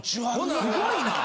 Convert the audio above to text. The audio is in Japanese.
・すごいな。